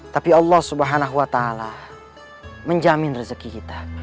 tapi allah subhanahu wa ta'ala menjamin rezeki kita